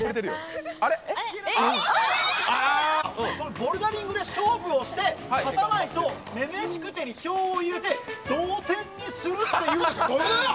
ボルダリングで勝負をして勝たないと「女々しくて」に票を入れて、同点にするってこら！